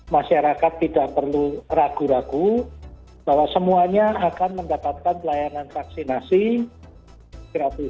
masyarakat tidak perlu ragu ragu bahwa semuanya akan mendapatkan pelayanan vaksinasi gratis